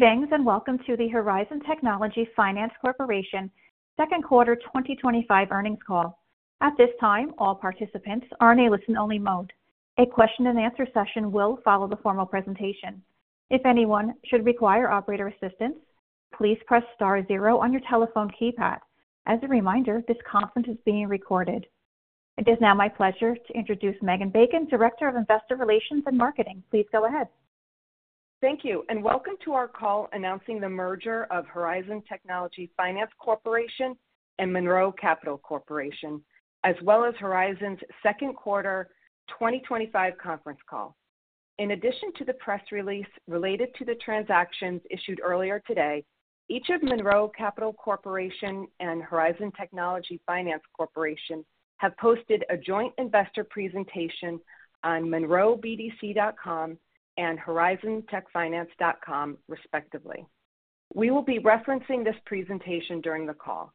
Greetings and welcome to the Horizon Technology Finance Corporation's second quarter 2025 earnings call. At this time, all participants are in a listen-only mode. A question and answer session will follow the formal presentation. If anyone should require operator assistance, please press star zero on your telephone keypad. As a reminder, this conference is being recorded. It is now my pleasure to introduce Megan Bacon, Director of Investor Relations and Marketing. Please go ahead. Thank you and welcome to our call announcing the merger of Horizon Technology Finance Corporation and Monroe Capital Corporation, as well as Horizon's second quarter 2025 conference call. In addition to the press release related to the transactions issued earlier today, each of Monroe Capital Corporation and Horizon Technology Finance Corporation have posted a joint investor presentation on monroebdc.com and horizontechfinance.com, respectively. We will be referencing this presentation during the call.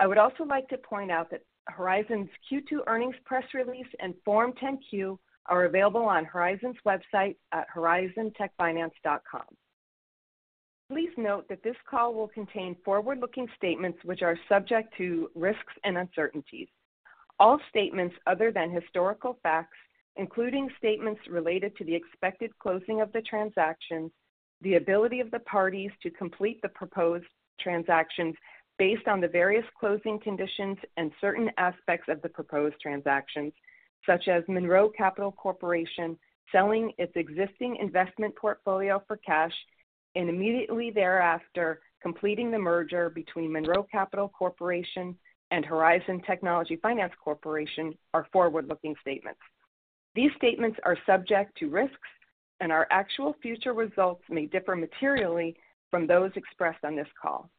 I would also like to point out that Horizon's Q2 earnings press release and Form 10-Q are available on Horizon's website at horizontechfinance.com. Please note that this call will contain forward-looking statements which are subject to risks and uncertainties. All statements other than historical facts, including statements related to the expected closing of the transaction, the ability of the parties to complete the proposed transactions based on the various closing conditions and certain aspects of the proposed transactions, such as Monroe Capital Corporation selling its existing investment portfolio for cash and immediately thereafter completing the merger between Monroe Capital Corporation and Horizon Technology Finance Corporation, are forward-looking statements. These statements are subject to risks, and our actual future results may differ materially from those expressed on this call.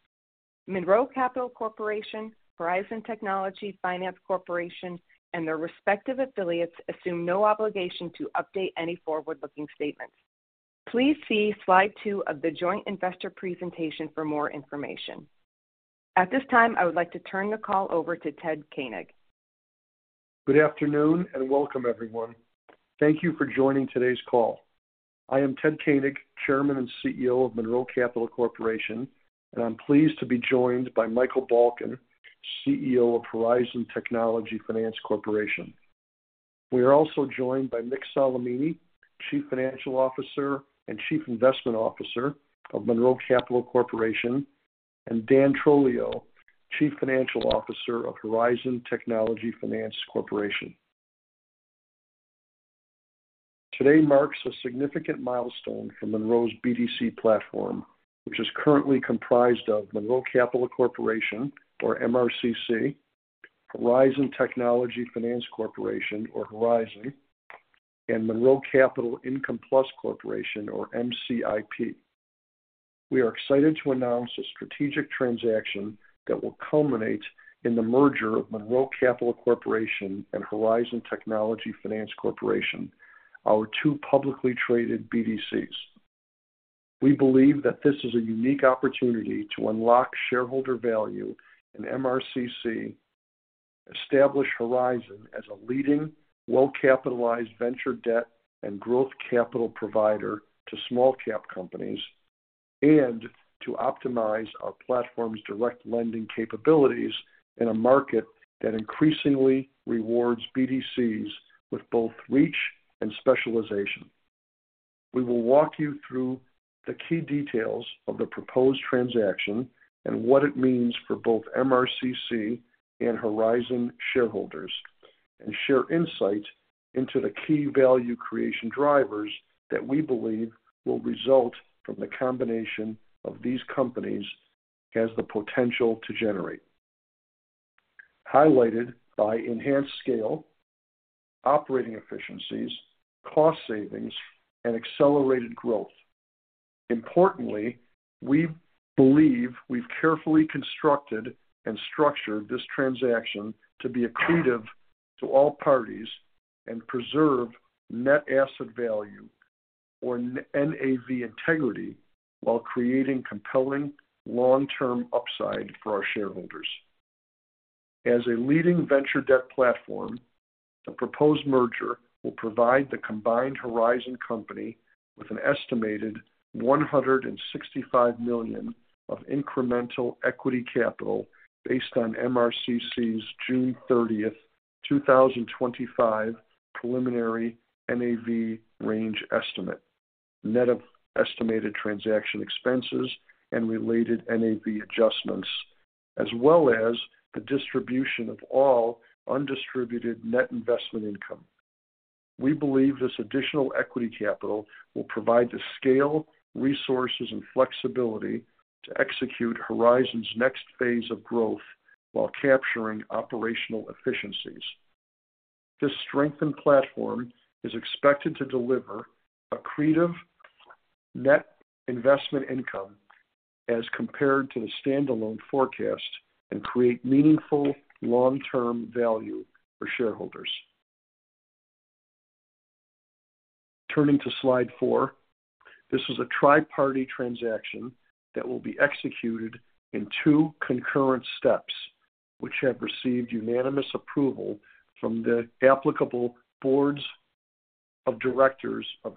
Monroe Capital Corporation, Horizon Technology Finance Corporation, and their respective affiliates assume no obligation to update any forward-looking statements. Please see slide two of the joint investor presentation for more information. At this time, I would like to turn the call over to Ted Koenig. Good afternoon and welcome, everyone. Thank you for joining today's call. I am Ted Koenig, Chairman and CEO of Monroe Capital Corporation, and I'm pleased to be joined by Michael Balkin, CEO of Horizon Technology Finance Corporation. We are also joined by Mick Solimene, Chief Financial Officer and Chief Investment Officer of Monroe Capital Corporation, and Dan Trolio, Chief Financial Officer of Horizon Technology Finance Corporation. Today marks a significant milestone for Monroe's BDC platform, which is currently comprised of Monroe Capital Corporation, or MRCC. Horizon Technology Finance Corporation, or Horizon, and Monroe Capital Income Plus Corporation, or MCIP. We are excited to announce a strategic transaction that will culminate in the merger of Monroe Capital Corporation and Horizon Technology Finance Corporation, our two publicly traded BDCs. We believe that this is a unique opportunity to unlock shareholder value in MRCC, establish Horizon as a leading, well-capitalized venture debt and growth capital provider to small-cap companies, and to optimize our platform's direct lending capabilities in a market that increasingly rewards BDCs with both reach and specialization. We will walk you through the key details of the proposed transaction and what it means for both MRCC and Horizon shareholders, and share insight into the key value creation drivers that we believe the combination of these companies has the potential to generate, highlighted by enhanced scale, operating efficiencies, cost savings, and accelerated growth. Importantly, we believe we've carefully constructed and structured this transaction to be accretive to all parties and preserve net asset value, or NAV, integrity while creating compelling long-term upside for our shareholders. As a leading venture debt platform, the proposed merger will provide the combined Horizon company with an estimated $165 million of incremental equity capital based on MRCC's June 30th, 2025 preliminary NAV range estimate, net of estimated transaction expenses and related NAV adjustments, as well as the distribution of all undistributed net investment income. We believe this additional equity capital will provide the scale, resources, and flexibility to execute Horizon's next phase of growth while capturing operational efficiencies. This strengthened platform is expected to deliver accretive net investment income as compared to the standalone forecast and create meaningful long-term value for shareholders. Turning to slide four, this is a tri-party transaction that will be executed in two concurrent steps, which have received unanimous approval from the applicable boards of directors of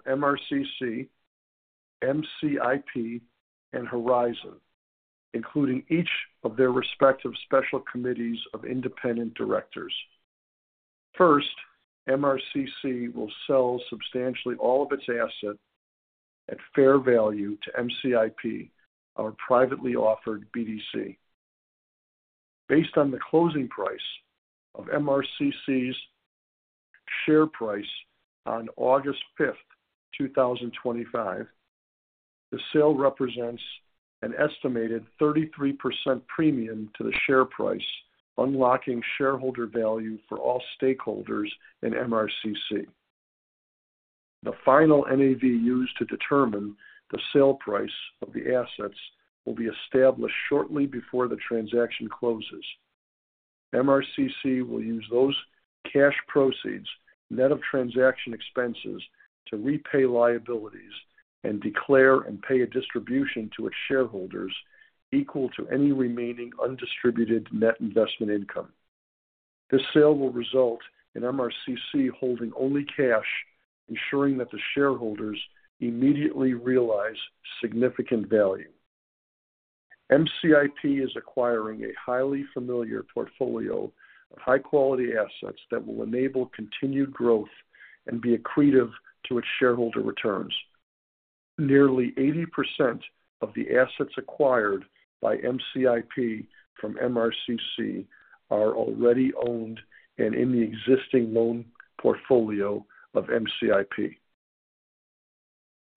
MRCC, MCIP, and Horizon, including each of their respective special committees of independent directors. First, MRCC will sell substantially all of its assets at fair value to MCIP, our privately offered BDC. Based on the closing price of MRCC's share price on August 5th, 2025, the sale represents an estimated 33% premium to the share price, unlocking shareholder value for all stakeholders in MRCC. The final NAV used to determine the sale price of the assets will be established shortly before the transaction closes. MRCC will use those cash proceeds, net of transaction expenses, to repay liabilities and declare and pay a distribution to its shareholders equal to any remaining undistributed net investment income. This sale will result in MRCC holding only cash, ensuring that the shareholders immediately realize significant value. MCIP is acquiring a highly familiar portfolio of high-quality assets that will enable continued growth and be accretive to its shareholder returns. Nearly 80% of the assets acquired by MCIP from MRCC are already owned and in the existing loan portfolio of MCIP.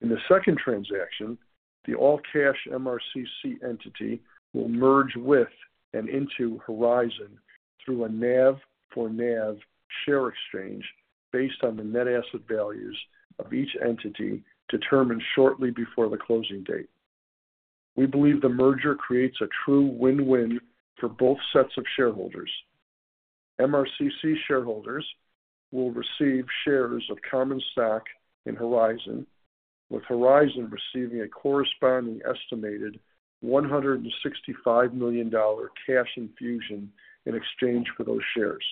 In the second transaction, the all-cash MRCC entity will merge with and into Horizon through a NAV-for-NAV share exchange based on the net asset values of each entity determined shortly before the closing date. We believe the merger creates a true win-win for both sets of shareholders. MRCC shareholders will receive shares of common stock in Horizon, with Horizon receiving a corresponding estimated $165 million cash infusion in exchange for those shares.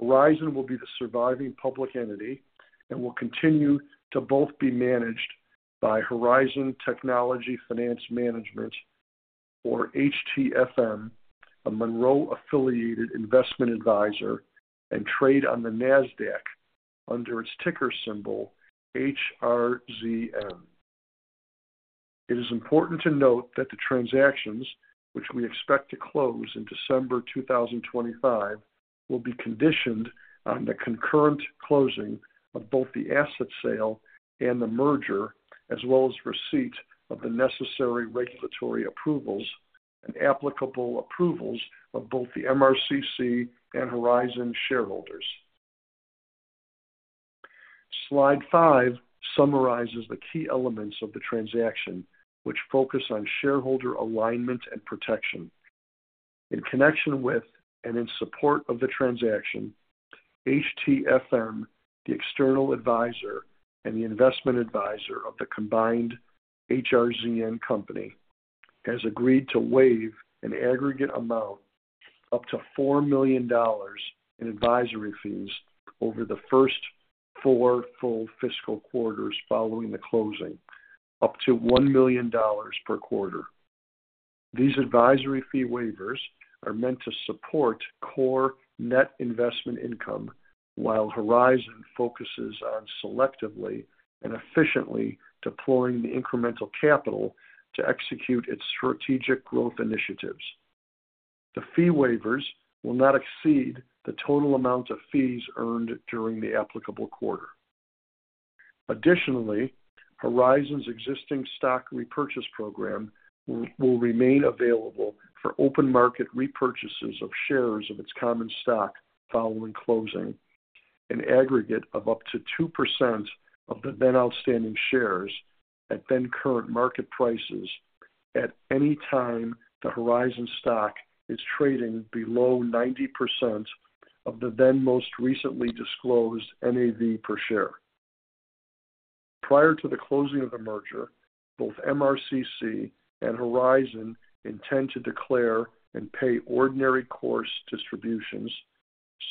Horizon will be the surviving public entity and will continue to both be managed by Horizon Technology Finance Management, or HTFM, a Monroe-affiliated investment advisor, and trade on the NASDAQ under its ticker symbol HRZM. It is important to note that the transactions, which we expect to close in December 2025, will be conditioned on the concurrent closing of both the asset sale and the merger, as well as receipt of the necessary regulatory approvals and applicable approvals of both the MRCC and Horizon shareholders. Slide five summarizes the key elements of the transaction, which focus on shareholder alignment and protection. In connection with and in support of the transaction, Horizon Technology Finance Management, the external advisor and the investment advisor of the combined HRZM company, has agreed to waive an aggregate amount of up to $4 million in advisory fees over the first four full fiscal quarters following the closing, up to $1 million per quarter. These advisory fee waivers are meant to support core net investment income, while Horizon focuses on selectively and efficiently deploying the incremental capital to execute its strategic growth initiatives. The fee waivers will not exceed the total amount of fees earned during the applicable quarter. Additionally, Horizon's existing stock repurchase program will remain available for open market repurchases of shares of its common stock following closing, an aggregate of up to 2% of the then outstanding shares at then current market prices at any time the Horizon stock is trading below 90% of the then most recently disclosed net asset value per share. Prior to the closing of the merger, both MRCC and Horizon intend to declare and pay ordinary course distributions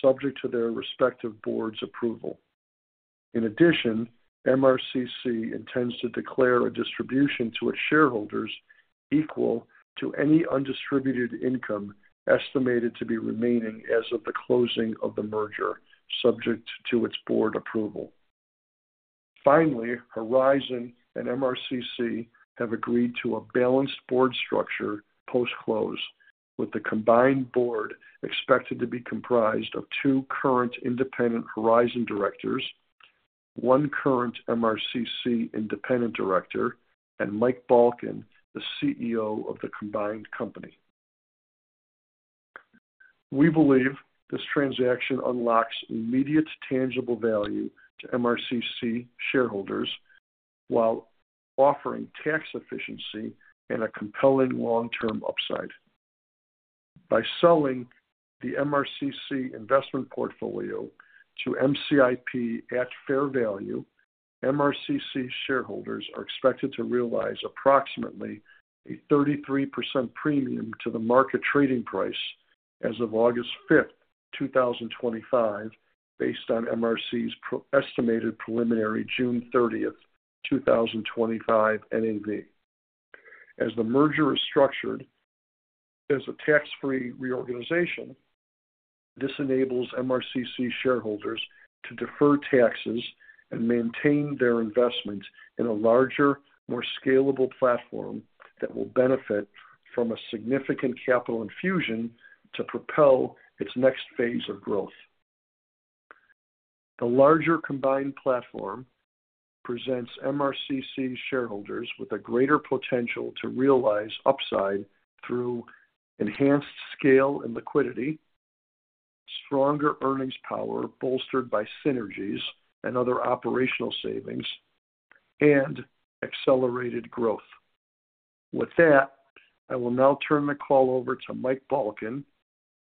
subject to their respective board's approval. In addition, MRCC intends to declare a distribution to its shareholders equal to any undistributed income estimated to be remaining as of the closing of the merger, subject to its board approval. Finally, Horizon and MRCC have agreed to a balanced board structure post-close, with the combined board expected to be comprised of two current independent Horizon directors, one current MRCC independent director, and Mike Balkin, the CEO of the combined company. We believe this transaction unlocks immediate tangible value to MRCC shareholders while offering tax efficiency and a compelling long-term upside. By selling the MRCC investment portfolio to MCIP at fair value, MRCC shareholders are expected to realize approximately a 33% premium to the market trading price as of August 5th, 2025, based on MRCC's estimated preliminary June 30th, 2025 NAV. As the merger is structured as a tax-free reorganization, this enables MRCC shareholders to defer taxes and maintain their investments in a larger, more scalable platform that will benefit from a significant capital infusion to propel its next phase of growth. The larger combined platform presents MRCC shareholders with a greater potential to realize upside through enhanced scale and liquidity, stronger earnings power bolstered by synergies and other operational savings, and accelerated growth. With that, I will now turn the call over to Mike Balkin,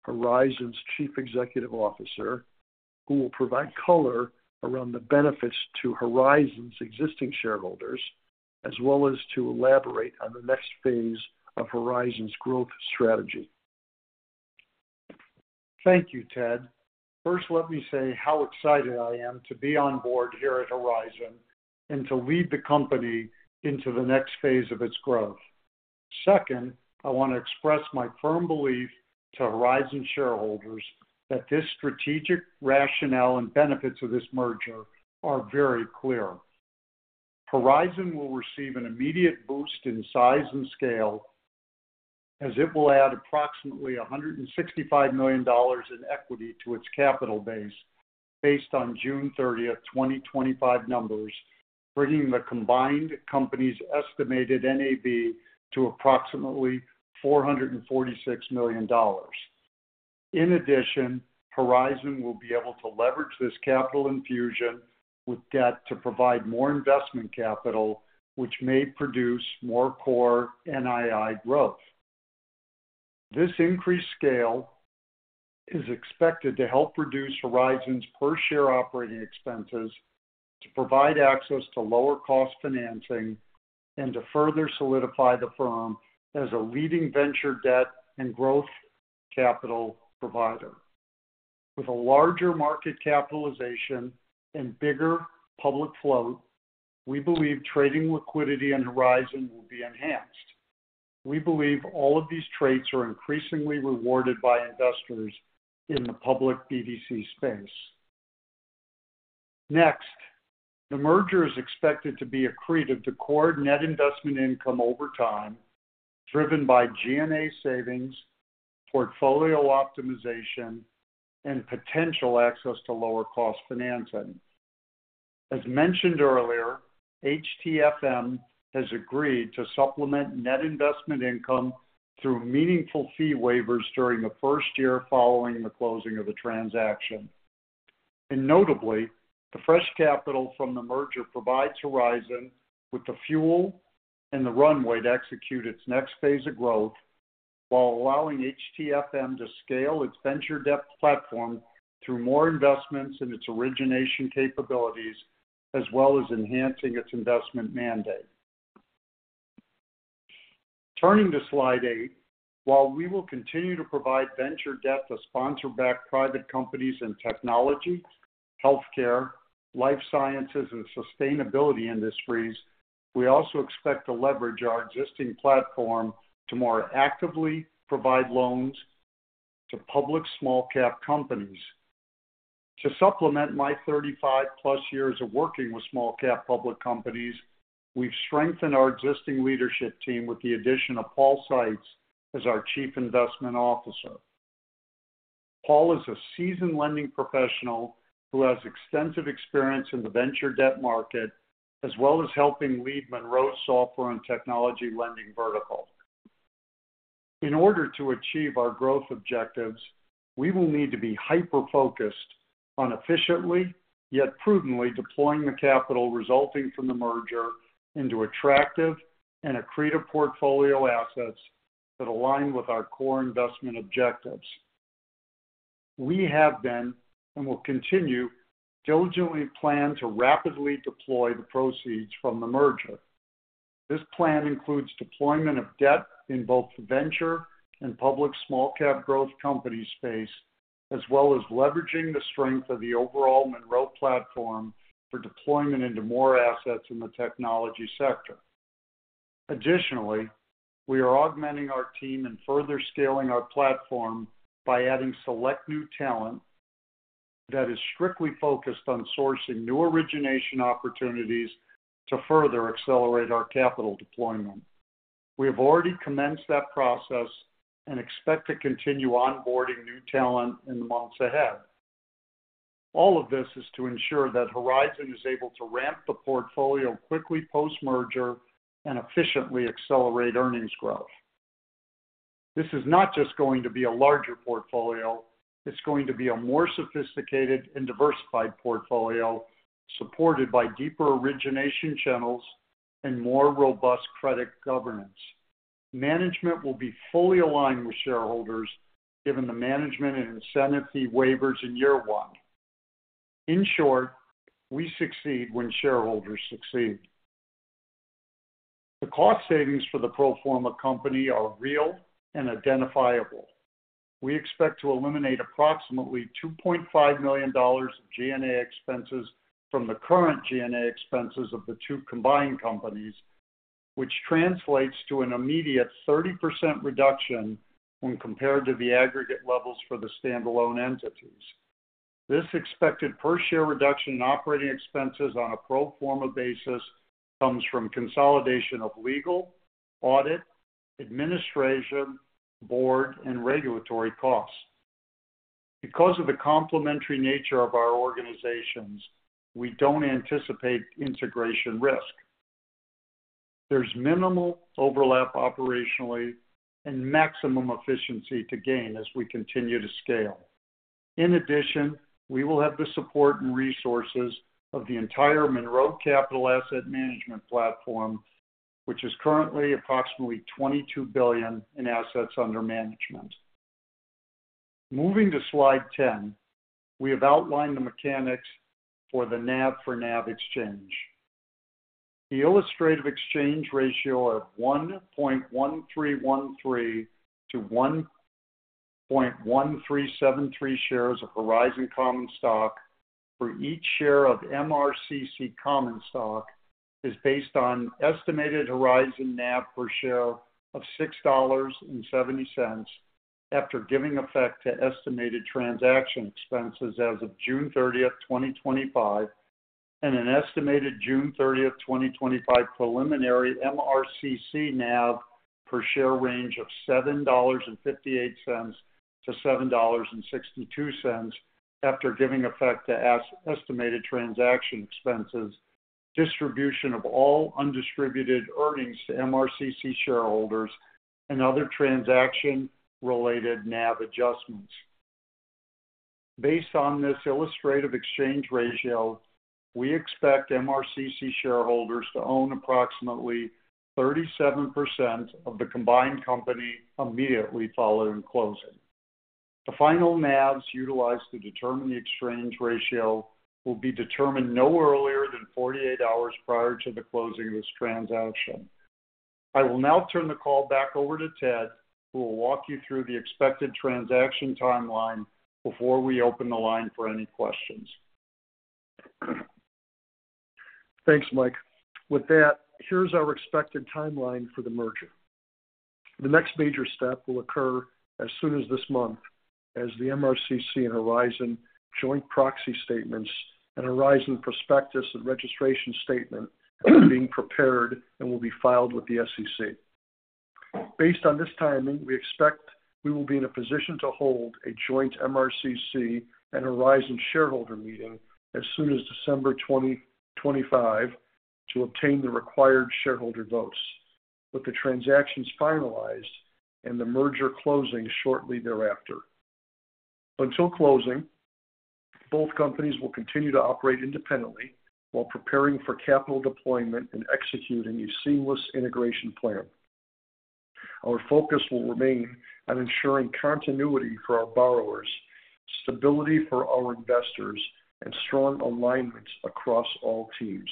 Horizon's Chief Executive Officer, who will provide color around the benefits to Horizon's existing shareholders, as well as to elaborate on the next phase of Horizon's growth strategy. Thank you, Ted. First, let me say how excited I am to be on board here at Horizon and to lead the company into the next phase of its growth. Second, I want to express my firm belief to Horizon shareholders that this strategic rationale and benefits of this merger are very clear. Horizon will receive an immediate boost in size and scale as it will add approximately $165 million in equity to its capital base based on June 30th, 2025 numbers, bringing the combined company's estimated NAV to approximately $446 million. In addition, Horizon will be able to leverage this capital infusion with debt to provide more investment capital, which may produce more core NII growth. This increased scale is expected to help reduce Horizon's per-share operating expenses, to provide access to lower-cost financing, and to further solidify the firm as a leading venture debt and growth capital provider. With a larger market capitalization and bigger public float, we believe trading liquidity in Horizon will be enhanced. We believe all of these traits are increasingly rewarded by investors in the public BDC space. Next, the merger is expected to be accretive to core net investment income over time, driven by G&A savings, portfolio optimization, and potential access to lower-cost financing. As mentioned earlier, HTFM has agreed to supplement net investment income through meaningful advisory fee waivers during the first year following the closing of the transaction. Notably, the fresh capital from the merger provides Horizon with the fuel and the runway to execute its next phase of growth, while allowing HTFM to scale its venture debt platform through more investments inits origination capabilities, as well as enhancing its investment mandate. Turning to slide eight, while we will continue to provide venture debt to sponsor-backed private companies in technology, healthcare, life sciences, and sustainability industries, we also expect to leverage our existing platform to more actively provide loans to public small-cap companies. To supplement my 35+ years of working with small-cap public companies, we've strengthened our existing leadership team with the addition of Paul Seitz as our Chief Investment Officer. Paul is a seasoned lending professional who has extensive experience in the venture debt market, as well as helping lead Monroe's software and technology lending vertical. In order to achieve our growth objectives, we will need to be hyper-focused on efficiently yet prudently deploying the capital resulting from the merger into attractive and accretive portfolio assets that align with our core investment objectives. We have been, and will continue, diligently plan to rapidly deploy the proceeds from the merger. This plan includes deployment of debt in both the venture and public small-cap growth company space, as well as leveraging the strength of the overall Monroe platform for deployment into more assets in the technology sector. Additionally, we are augmenting our team and further scaling our platform by adding select new talent that is strictly focused on sourcing new origination opportunities to further accelerate our capital deployment. We have already commenced that process and expect to continue onboarding new talent in the months ahead. All of this is to ensure that Horizon is able to ramp the portfolio quickly post-merger and efficiently accelerate earnings growth. This is not just going to be a larger portfolio, it's going to be a more sophisticated and diversified portfolio supported by deeper origination channels and more robust credit governance. Management will be fully aligned with shareholders, given the management and incentive fee waivers in year one. In short, we succeed when shareholders succeed. The cost savings for the pro forma company are real and identifiable. We expect to eliminate approximately $2.5 million of G&A expenses from the current G&A expenses of the two combined companies, which translates to an immediate 30% reduction when compared to the aggregate levels for the standalone entities. This expected per-share reduction in operating expenses on a pro forma basis comes from consolidation of legal, audit, administration, board, and regulatory costs. Because of the complementary nature of our organizations, we don't anticipate integration risk. There's minimal overlap operationally and maximum efficiency to gain as we continue to scale. In addition, we will have the support and resources of the entire Monroe Capital Asset Management Platform, which is currently approximately $22 billion in assets under management. Moving to slide 10, we have outlined the mechanics for the NAV-for-NAV exchange. The illustrative exchange ratio of 1.1313-1.1373 shares of Horizon Technology Finance Corporation Common Stock for each share of MRCC Common Stock is based on estimated Horizon NAV-for-share of $6.70 after giving effect to estimated transaction expenses as of June 30th, 2025, and an estimated June 30th, 2025 preliminary MRCC NAV-per-share range of $7.58-$7.62 after giving effect to estimated transaction expenses, distribution of all undistributed earnings to MRCC shareholders, and other transaction-related NAV adjustments. Based on this illustrative exchange ratio, we expect MRCC shareholders to own approximately 37% of the combined company immediately following closing. The final NAVs utilized to determine the exchange ratio will be determined no earlier than 48 hours prior to the closing of this transaction. I will now turn the call back over to Ted, who will walk you through the expected transaction timeline before we open the line for any questions. Thanks, Mike. With that, here's our expected timeline for the merger. The next major step will occur as soon as this month, as the MRCC-Horizon joint proxy statements and Horizon prospectus and registration statement are being prepared and will be filed with the SEC. Based on this timing, we expect we will be in a position to hold a joint MRCC and Horizon shareholder meeting as soon as December 2025 to obtain the required shareholder votes, with the transactions finalized and the merger closing shortly thereafter. Until closing, both companies will continue to operate independently while preparing for capital deployment and executing a seamless integration plan. Our focus will remain on ensuring continuity for our borrowers, stability for our investors, and strong alignment across all teams.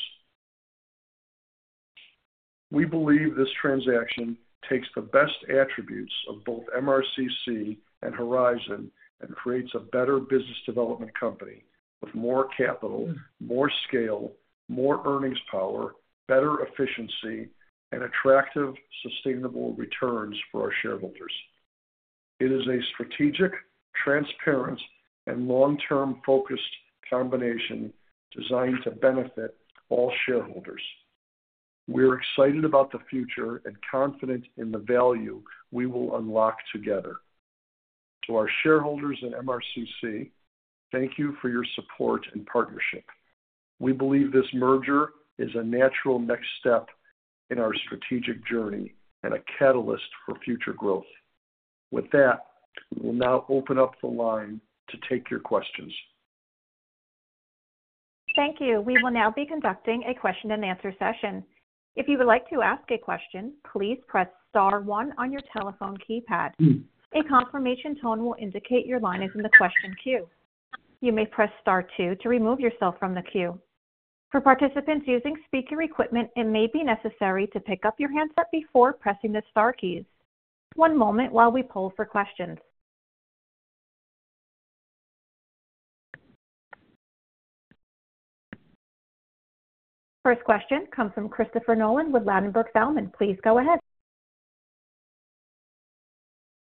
We believe this transaction takes the best attributes of both MRCC and Horizon and creates a better business development company with more capital, more scale, more earnings power, better efficiency, and attractive, sustainable returns for our shareholders. It is a strategic, transparent, and long-term focused combination designed to benefit all shareholders. We are excited about the future and confident in the value we will unlock together. To our shareholders and MRCC, thank you for your support and partnership. We believe this merger is a natural next step in our strategic journey and a catalyst for future growth. With that, we'll now open up the line to take your questions. Thank you. We will now be conducting a question and answer session. If you would like to ask a question, please press star one on your telephone keypad. A confirmation tone will indicate your line is in the question queue. You may press star two to remove yourself from the queue. For participants using speaker equipment, it may be necessary to pick up your handset before pressing the star keys. One moment while we poll for questions. First question comes from Christopher Nolan with Ladenburg Thalmann. Please go ahead.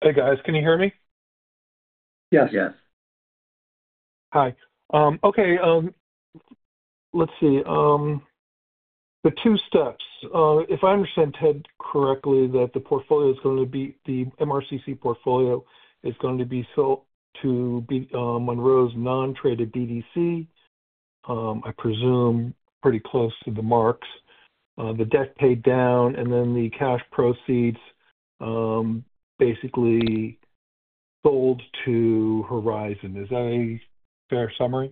Hey guys, can you hear me? Yes. Yes. Hi. Okay, let's see. The two steps. If I understand correctly, the portfolio is going to be, the MRCC portfolio is going to be sold to Monroe's non-traded DDC, I presume pretty close to the marks. The debt paid down, and then the cash proceeds basically sold to Horizon. Is that a fair summary?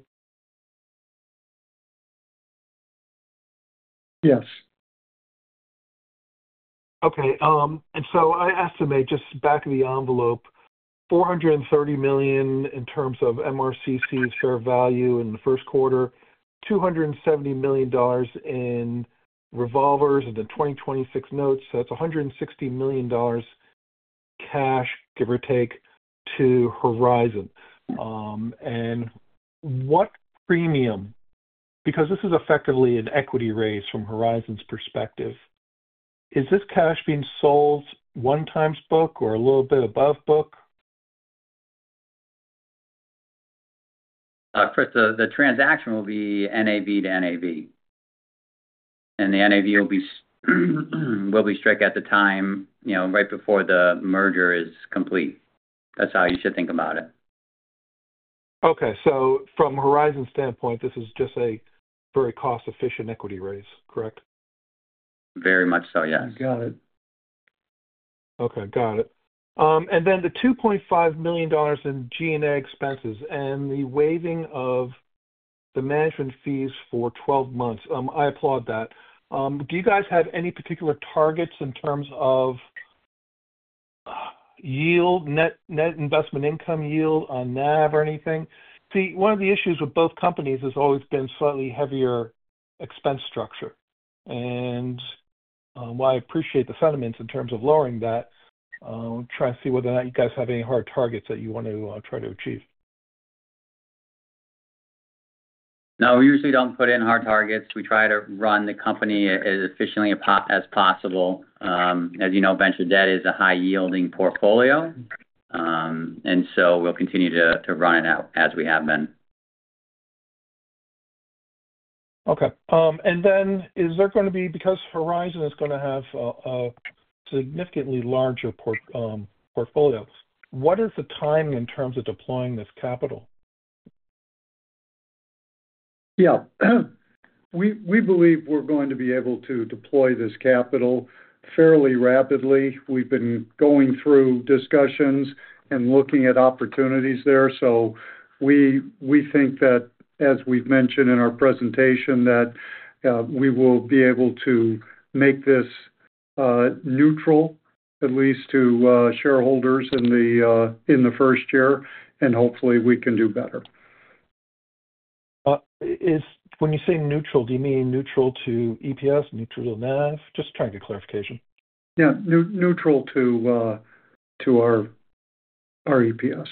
Yes. Okay. I estimate, just back of the envelope, $430 million in terms of MRCC's share value in the first quarter, $270 million in revolvers and the 2026 notes. That's $160 million cash, give or take, to Horizon. What premium, because this is effectively an equity raise from Horizon's perspective, is this cash being sold one times book or a little bit above book? Chris, the transaction will be NAV-for-NAV. The NAV will be struck at the time, you know, right before the merger is complete. That's how you should think about it. Okay. From Horizon's standpoint, this is just a very cost-efficient equity raise, correct? Very much so, yeah. Got it. Okay. Got it. The $2.5 million in G&A expenses and the waiving of the management fees for 12 months, I applaud that. Do you guys have any particular targets in terms of yield, net investment income yield on NAV or anything? One of the issues with both companies has always been slightly heavier expense structure. While I appreciate the sentiments in terms of lowering that, I want to try to see whether or not you guys have any hard targets that you want to try to achieve. No, we usually don't put in hard targets. We try to run the company as efficiently as possible. As you know, venture debt is a high-yielding portfolio, so we'll continue to run it out as we have been. Okay. Is there going to be, because Horizon is going to have a significantly larger portfolio, what is the timing in terms of deploying this capital? We believe we're going to be able to deploy this capital fairly rapidly. We've been going through discussions and looking at opportunities there. We think that, as we've mentioned in our presentation, we will be able to make this neutral, at least to shareholders in the first year, and hopefully we can do better. When you say neutral, do you mean neutral to EPS, neutral to NAV? Just trying to get clarification. Yeah, neutral to our EPS.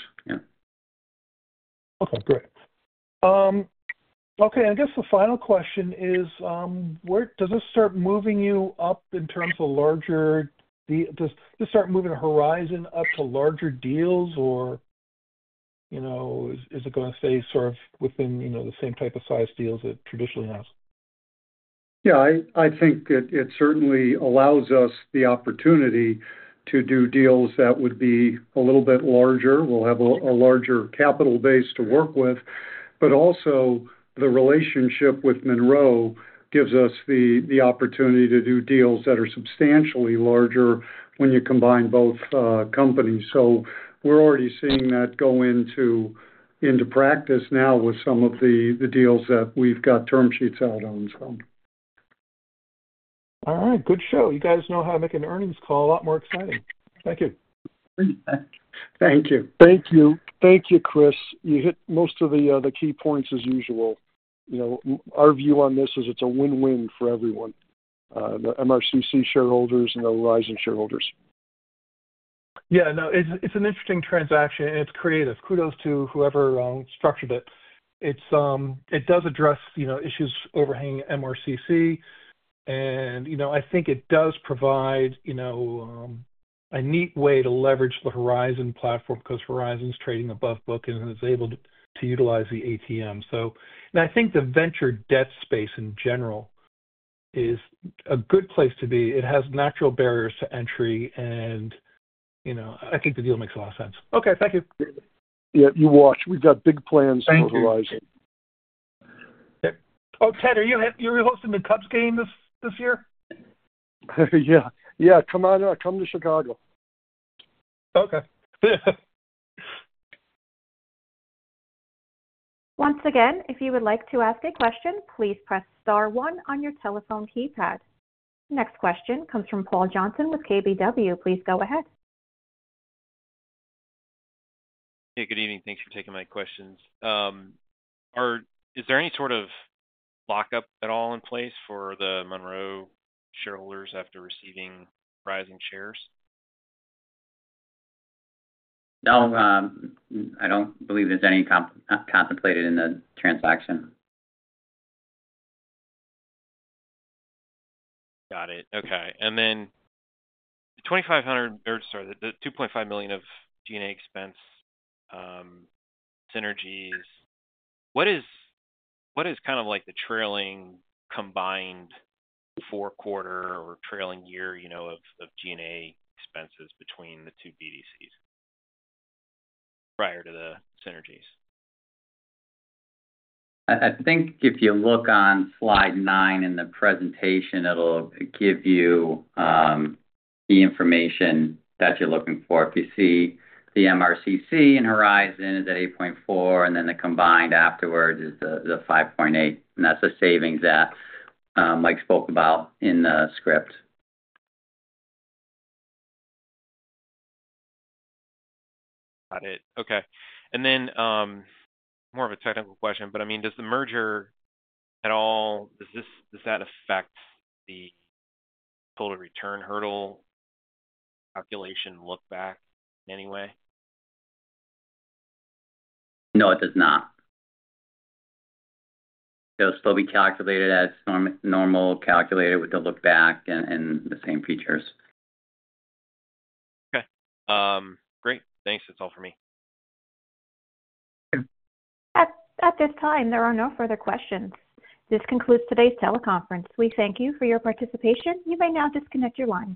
Great. I guess the final question is, where does this start moving you up in terms of larger deals? Does this start moving Horizon up to larger deals, or is it going to stay sort of within the same type of size deals it traditionally has? Yeah, I think it certainly allows us the opportunity to do deals that would be a little bit larger. We'll have a larger capital base to work with. The relationship with Monroe gives us the opportunity to do deals that are substantially larger when you combine both companies. We're already seeing that go into practice now with some of the deals that we've got term sheets out on. All right. Good show. You guys know how to make an earnings call a lot more exciting. Thank you. Thank you. Thank you. Thank you, Chris. You hit most of the key points as usual. You know, our view on this is it's a win-win for everyone, the MRCC shareholders and the Horizon shareholders. Yeah, no, it's an interesting transaction, and it's creative. Kudos to whoever structured it. It does address issues overhanging MRCC. I think it does provide a neat way to leverage the Horizon platform because Horizon's trading above book and is able to utilize the ATM. I think the venture debt space in general is a good place to be. It has natural barriers to entry. I think the deal makes a lot of sense. Okay, thank you. Yeah, you watch. We've got big plans for Horizon. Oh, are you hosting the Cubs game this year? Yeah, yeah. Come on out. Come to Chicago. Okay. Once again, if you would like to ask a question, please press star one on your telephone keypad. Next question comes from Paul Johnson with KBW. Please go ahead. Hey, good evening. Thanks for taking my questions. Is there any sort of lockup at all in place for the Monroe shareholders after receiving Horizon shares? No, I don't believe there's anything contemplated in the transaction. Got it. Okay. The $2.5 million of G&A expense synergies, what is kind of like the trailing combined four-quarter or trailing year, you know, of G&A expenses between the two BDCs prior to the synergies? I think if you look on slide nine in the presentation, it'll give you the information that you're looking for. If you see the MRCC and Horizon is at $8.4 million, and the combined afterwards is the $5.8 million. That's a savings that Mike spoke about in the script. Got it. Okay. Does the merger at all, does that affect the total return hurdle calculation look back in any way? No, it does not. It'll still be calculated as normal, calculated with the look back and the same features. Okay. Great. Thanks. That's all for me. At this time, there are no further questions. This concludes today's teleconference. We thank you for your participation. You may now disconnect your line.